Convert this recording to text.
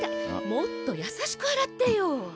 もっとやさしく洗ってよ！